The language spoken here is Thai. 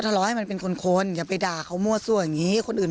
รอให้มันเป็นคนอย่าไปด่าเขามั่วซั่วอย่างนี้คนอื่น